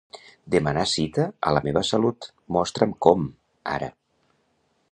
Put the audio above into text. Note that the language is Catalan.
Demanar cita a La meva salut, mostra'm com, ara.